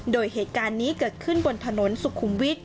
โดยเหตุการณ์นี้เกิดขึ้นบนถนนสุขุมวิทย